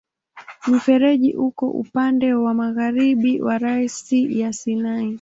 Mfereji uko upande wa magharibi wa rasi ya Sinai.